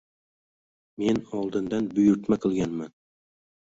Men oldindan buyurtma qilganman.